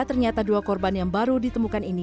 ternyata dua korban yang baru ditemukan ini